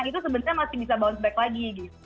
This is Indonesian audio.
itu sebenarnya masih bisa bounce back lagi gitu